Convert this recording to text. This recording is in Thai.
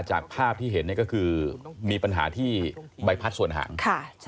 จากภาพที่เห็นก็คือมีปัญหาที่ใบพัดส่วนหาง